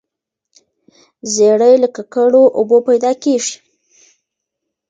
زیړی له ککړو اوبو پیدا کیږي.